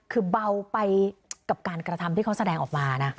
คือเบาไปกับการกระทำที่เขาแสดงออกมานะ